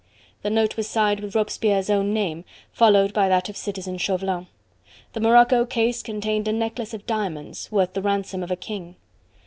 The note was signed with Robespierre's own name, followed by that of Citizen Chauvelin. The morocco case contained a necklace of diamonds worth the ransom of a king.